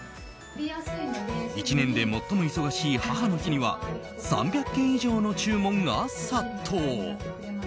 １年で最も忙しい母の日には３００件以上の注文が殺到。